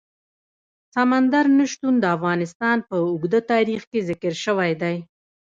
سمندر نه شتون د افغانستان په اوږده تاریخ کې ذکر شوی دی.